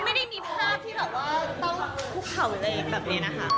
ไม่ได้มีภาพต่อเข้าออกเลย